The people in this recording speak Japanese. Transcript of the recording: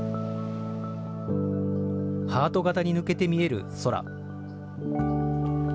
ハート型に抜けて見える空。